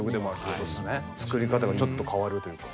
作り方がちょっと変わるというか。